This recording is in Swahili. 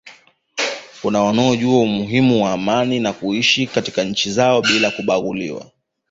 kuna wanaojua umuhimu wa amani na kuishi katika nchi zao bila kubugudhiwa